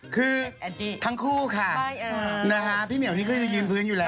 คือทั้งคู่ค่ะนะฮะพี่เหมียวนี่ก็จะยืนพื้นอยู่แล้ว